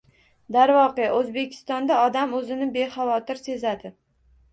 Darvoqe, Oʻzbekistonda odam oʻzini bexavotir sezadi.